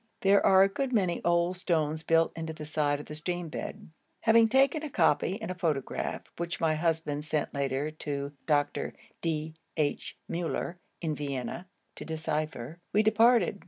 There are a good many old stones built into the side of the stream bed. Having taken a copy and a photograph, which my husband sent later to Dr. D. H. Müller, in Vienna, to decipher, we departed.